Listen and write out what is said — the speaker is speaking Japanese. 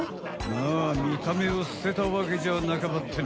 まあみためをすてたわけじゃなかばってん！